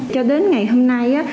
cho đến ngày hôm nay